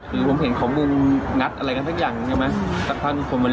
ผมเห็นของลุงงัดอะไรกันทั้งอย่างเห็นไหมสักพันคนมัน